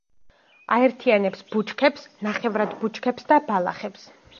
აერთიანებს ბუჩქებს, ნახევრად ბუჩქებს და ბალახებს.